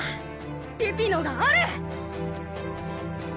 ピピのがある！